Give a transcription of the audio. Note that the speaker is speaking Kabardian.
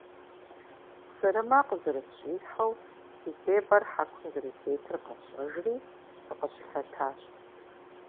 Сырымэ къызэрысщӏихьэу, си тебэр хьэкум зэрытетыр къэсщӏэжри, сыкъыщылъэтащ.